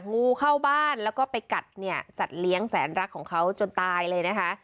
งูเข้าบ้านแล้วก็ไปกัดเนี่ยสัตว์เลี้ยงแสนรักของเขาจนตายเลยนะคะ